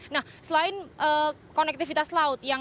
nah selain konektivitas laut